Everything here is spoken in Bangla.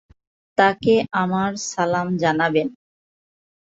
তাকে আমার সালাম জানাবেন।